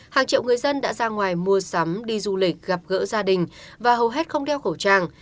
hàng triệu người dân đã ra ngoài mua sắm đi du lịch gặp gỡ gia đình và hầu hết không đeo khẩu trang